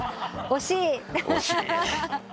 惜しい。